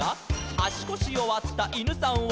「あしこしよわったいぬさんを」